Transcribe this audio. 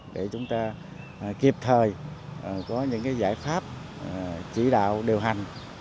để chúng ta kịp thời có những giải pháp chỉ đạo điều hành